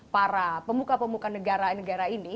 para pemuka pemuka negara negara ini